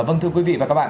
vâng thưa quý vị và các bạn